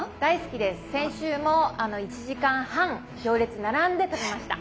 先週も１時間半行列並んで食べました。